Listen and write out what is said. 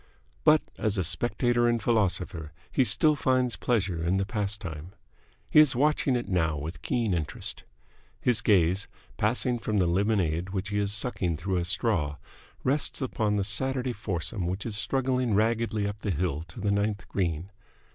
But as a spectator and philosopher he still finds pleasure in the pastime. He is watching it now with keen interest. His gaze, passing from the lemonade which he is sucking through a straw, rests upon the Saturday foursome which is struggling raggedly up the hill to the ninth green.